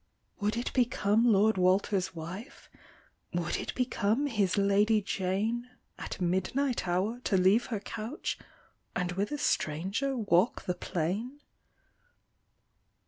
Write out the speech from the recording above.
" Would it become Lord Walter's wife, Would it become his Lady Jane, At midnight hour to leave her couch, And with a stranger walk the plain